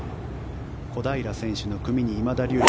小平選手の組に今田竜二